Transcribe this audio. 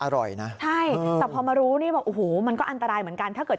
อร่อยนะใช่แต่พอมารู้นี่บอกโอ้โหมันก็อันตรายเหมือนกันถ้าเกิด